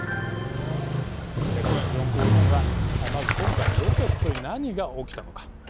今夜の「時論公論」はまず今回ロケットに何が起きたのか。